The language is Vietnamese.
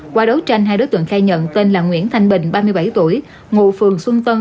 qua đấu tranh hai đối tượng khai nhận tên là nguyễn thanh bình ba mươi bảy tuổi ngụ phường xuân tân